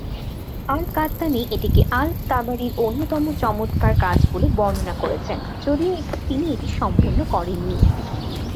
আল-কাত্তানী এটিকে আল-তাবারির অন্যতম চমৎকার কাজ বলে বর্ণনা করেছেন, যদিও তিনি এটি সম্পন্ন করেননি।